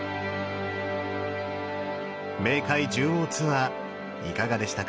冥界十王ツアーいかがでしたか？